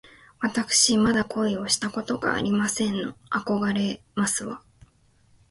わたくしまだ恋をしたことがありませんの。あこがれますわ